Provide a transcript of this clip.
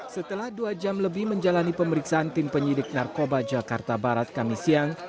setelah dua jam lebih menjalani pemeriksaan tim penyidik narkoba jakarta barat kami siang